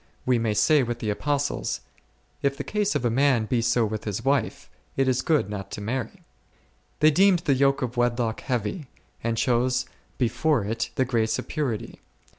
we may say with the Apostles, If the case of a man be so with his wife, it is good not to marry. They deemed the yoke of wedlock heavy, and chose before it the grace of purity.